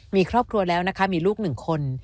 มีครอบครัวแล้วนะคะมีลูกหนึ่งคน